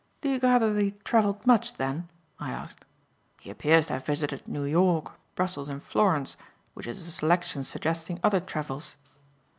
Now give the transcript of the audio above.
"Do you gather that he had travelled much, then?" I asked. "He appears to have visited New York, Brussels and Florence, which is a selection suggesting other travels."